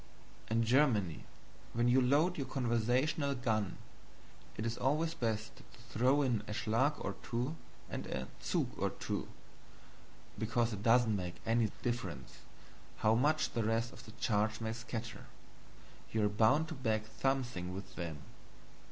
In Germany, when you load your conversational gun it is always best to throw in a SCHLAG or two and a ZUG or two, because it doesn't make any difference how much the rest of the charge may scatter, you are bound to bag something with THEM.